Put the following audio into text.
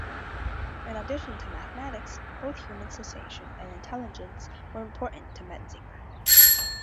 In addition to mathematics, both human sensation and intelligence were important to Metzinger.